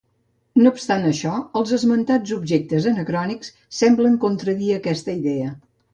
No obstant això els esmentats objectes anacrònics semblen contradir aquesta idea.